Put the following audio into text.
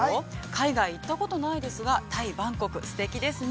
海外行ったことないですがタイ・バンコクすてきですね。